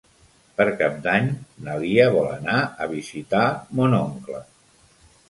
Per Cap d'Any na Lia vol anar a visitar mon oncle.